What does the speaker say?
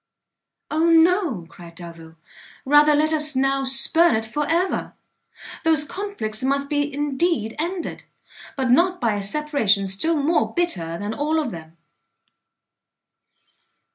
"O no," cried Delvile, "rather let us now spurn it for ever! those conflicts must indeed be ended, but not by a separation still more bitter than all of them."